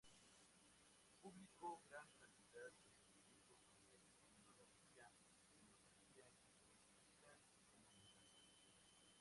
Publicó gran cantidad de escritos sobre filología, filosofía y política económica.